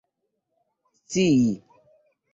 scii